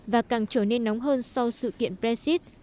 và càng trở nên nóng hơn sau sự kiện brexit